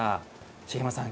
茂山さん